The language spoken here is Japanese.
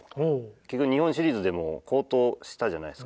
結局日本シリーズでも好投したじゃないですか。